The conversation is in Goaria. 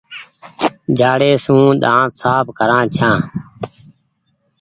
جآڙي سون ۮآنٿ ساڦ ڪرآن ڇآن ۔